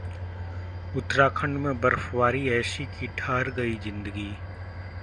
उत्तराखंड में बर्फबारी ऐसी कि ठहर गई जिंदगी